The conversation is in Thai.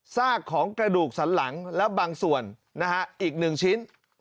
ซากของกระดูกสันหลังและบางส่วนนะฮะอีก๑ชิ้น